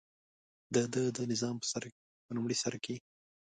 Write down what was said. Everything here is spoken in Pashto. دده د نظام په لومړي سر کې.